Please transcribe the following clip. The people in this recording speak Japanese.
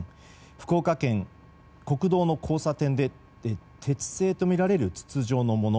福岡県、国道の交差点で鉄製とみられる筒状のもの。